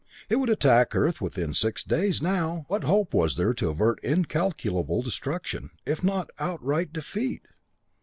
It would attack Earth within six days now! What hope was there to avert incalculable destruction if not outright defeat?